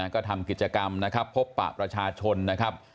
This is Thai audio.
ก็ทำกิจกรรมนะครับพบปะประชาชนนะครับ